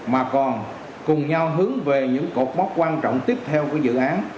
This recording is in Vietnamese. mà còn cùng nhau hướng về những cột mốc quan trọng tiếp theo của dự án